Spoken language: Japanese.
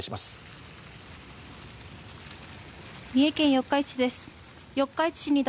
三重県四日市市です。